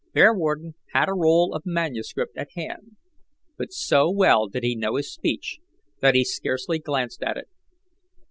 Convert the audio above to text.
Bearwarden had a roll of manuscript at hand, but so well did he know his speech that he scarcely glanced at it.